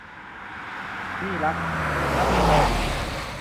หนี้รัก - ลักษณวดี